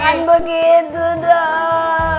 jangan begitu dong